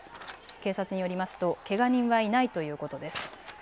警察によりますとけが人はいないということです。